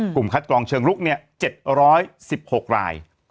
คัดกรองเชิงลุก๗๑๖ราย